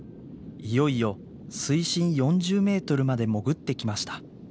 いよいよ水深４０ｍまで潜ってきました。